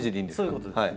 そういうことです。